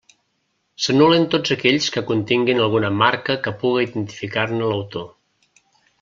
S'anul·len tots aquells que continguen alguna marca que puga identificar-ne l'autor.